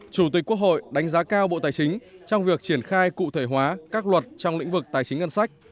chủ tịch quốc hội đánh giá cao bộ tài chính trong việc triển khai cụ thể hóa các luật trong lĩnh vực tài chính ngân sách